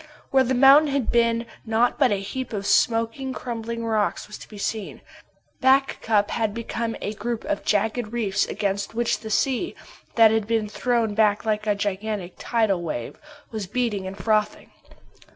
Where the mountain had been, naught but a heap of smoking, crumbling rocks was to be seen. Back Cup had become a group of jagged reefs against which the sea, that had been thrown back like a gigantic tidal wave, was beating and frothing.